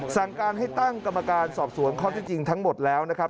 สั่งการให้ตั้งกรรมการสอบสวนข้อที่จริงทั้งหมดแล้วนะครับ